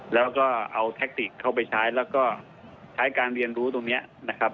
แล้วก็เอาแท็กติกเข้าไปใช้แล้วก็ใช้การเรียนรู้ตรงนี้นะครับ